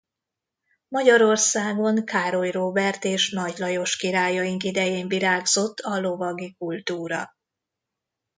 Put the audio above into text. Magyarországon Károly Róbert és Nagy Lajos királyaink idején virágzott a lovagi kultúra.